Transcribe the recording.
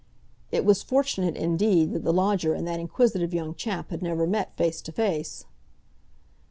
It was fortunate, indeed, that the lodger and that inquisitive young chap had never met face to face.